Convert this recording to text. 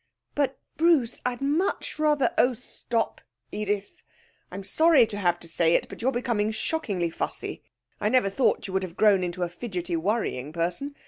'But, Bruce, I'd much rather ' 'Oh, stop, Edith. I'm sorry to have to say it, but you're becoming shockingly fussy. I never thought you would have grown into a fidgety, worrying person.